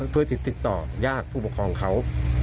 เพื่ออาจติดต่อยากผู้ปกโครงเขา